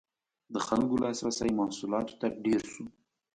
• د خلکو لاسرسی محصولاتو ته ډېر شو.